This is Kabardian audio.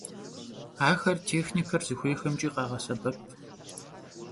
Ахэр техникэр зыхуейхэмкӀи къагъэсэбэп.